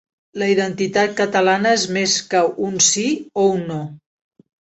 La identitat catalana és més que un sí o un no.